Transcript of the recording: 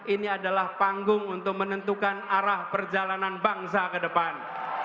ini adalah panggung untuk menentukan arah perjalanan bangsa kedepan